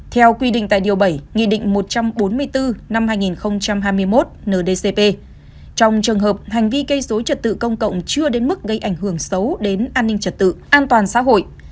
theo quy định tại điều bảy nghị định một trăm bốn mươi bốn năm hai nghìn hai mươi một ndcp trong trường hợp hành vi gây dối trật tự công cộng chưa đến mức gây ảnh hưởng xấu đến an ninh trật tự an toàn xã hội